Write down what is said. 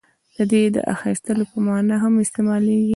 • دې د اخیستلو په معنیٰ هم استعمالېږي.